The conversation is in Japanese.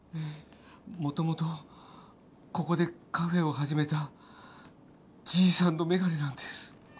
もともとここでカフェを始めたじいさんのメガネなんです。